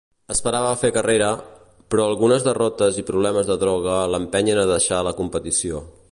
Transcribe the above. Esperava fer carrera, però algunes derrotes i problemes de droga l'empenyen a deixar la competició.